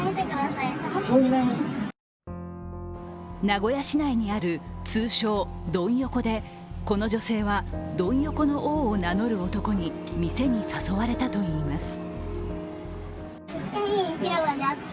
名古屋市内にある通称、ドン横でこの女性は、ドン横の王を名乗る男に店に誘われたといいます。